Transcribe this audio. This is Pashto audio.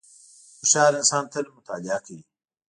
• هوښیار انسان تل مطالعه کوي.